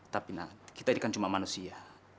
tapi kita ini kan cuma manusia